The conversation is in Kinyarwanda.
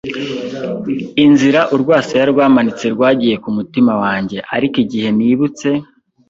inzira urwasaya rwamanitse rwagiye kumutima wanjye. Ariko igihe nibutse